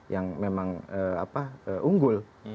yang memang unggul